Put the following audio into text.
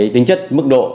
tính chất mức độ